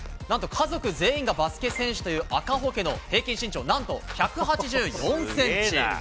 なんと、家族全員がバスケ選手という赤穂家の平均身長、なんと１８４センチ。